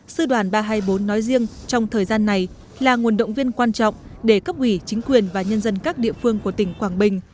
sư đoàn ba trăm hai mươi bốn nói riêng trong thời gian này là nguồn động viên quan trọng để cấp ủy chính quyền và nhân dân các địa phương của tỉnh quảng bình